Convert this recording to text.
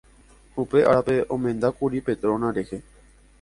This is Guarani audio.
upe árape omendákuri Petrona rehe